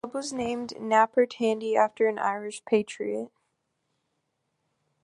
The club was named Napper Tandy after an Irish patriot.